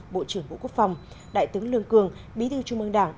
bộ trưởng bộ quốc phòng đại tướng lương cường bí thư trung ương đảng